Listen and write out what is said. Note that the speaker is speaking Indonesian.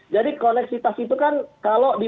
jadi koneksitas itu kan kalau di